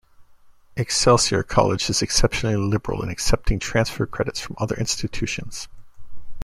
Excelsior College is exceptionally liberal in accepting transfer credit from other institutions.